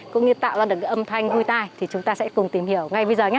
cũng như tạo ra được cái âm thanh vui tai thì chúng ta sẽ cùng tìm hiểu ngay bây giờ nhé